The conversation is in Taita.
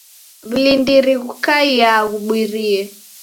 W'ulindiri ghukaiaa ghubirie.